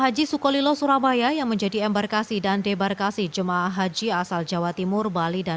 haji sukolilo surabaya yang menjadi embarkasi dan debarkasi jemaah haji asal jawa timur bali dan